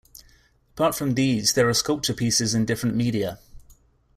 Apart from these there are sculpture pieces in different media.